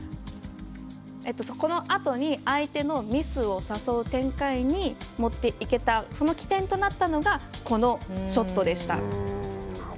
このあとに相手のミスを誘う展開に持っていけたその起点となったのがこのショットでした。